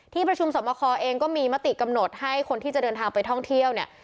ที่ประชุมสมคเองก็มีมติกำหนดให้คนที่จะเดินทางไปท่องเที่ยวเนี่ย